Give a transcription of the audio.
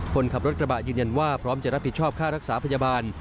คนขับรถกระบะยืนยันว่าพร้อมจะรับผิดชอบค่ารักษาพยาบาล